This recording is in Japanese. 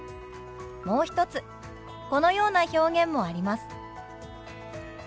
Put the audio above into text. もう一つこのような表現もあります。